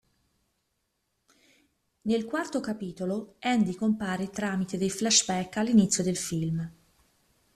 Nel quarto capitolo, Andy compare tramite dei flashback all'inizio del film.